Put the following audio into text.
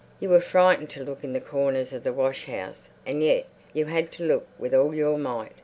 You were frightened to look in the corners of the washhouse, and yet you had to look with all your might.